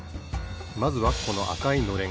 まずはこのあかいのれん。